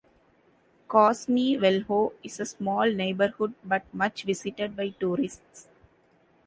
Cosme Velho is a small neighborhood, but much visited by tourists.